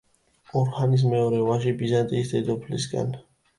ორჰანის მეორე ვაჟი ბიზანტიის დედოფლისგან.